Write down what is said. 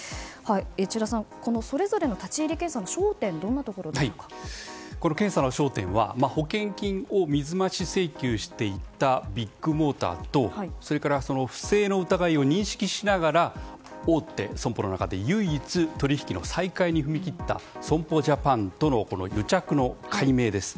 智田さんそれぞれの立ち入り検査の焦点検査の焦点は保険金を水増し請求していたビッグモーターと不正の疑いを認識しながら大手損保の中で唯一、取引の再開に踏み切った損保ジャパンとの癒着の解明です。